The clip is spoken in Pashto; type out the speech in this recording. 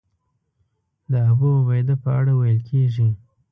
د ابوعبیده په اړه ویل کېږي.